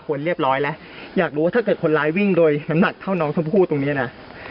เรียบร้อยแล้วอยากรู้ว่าถ้าเกิดคนร้ายวิ่งโดยน้ำหนักเท่าน้องชมพู่ตรงเนี้ยนะ